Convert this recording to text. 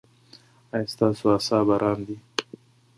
ایا ستاسو اعصاب ارام دي؟